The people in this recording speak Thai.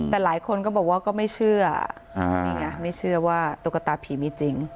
แต่หลายคนก็บอกว่าก็ไม่เชื่อนี่ไงไม่เชื่อว่าตุ๊กตาผีมีจริง